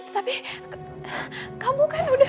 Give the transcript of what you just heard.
tapi kamu kan udah